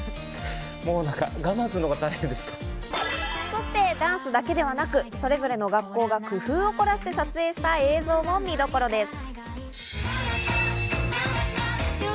そしてダンスだけではなく、それぞれの学校が工夫を凝らして撮影した映像も見どころです。